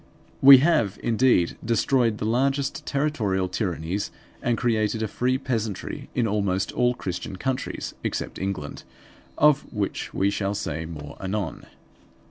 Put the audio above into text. We have, indeed, destroyed the largest territorial tyrannies, and created a free peasantry in almost all Christian countries except England; of which we shall say more anon.